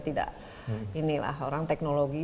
tidak orang teknologi